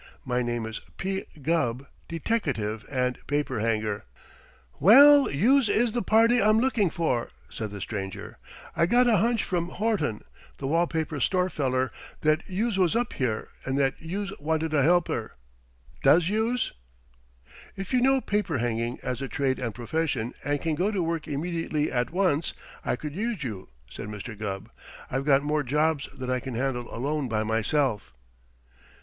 My name is P. Gubb, deteckative and paper hanger." "Well, youse is the party I'm looking for," said the stranger. "I got a hunch from Horton, the wall paper store feller, that youse was up here and that youse wanted a helper. Does youse?" "If you know paper hanging as a trade and profession and can go to work immediately at once, I could use you," said Mr. Gubb. "I've got more jobs than I can handle alone by myself."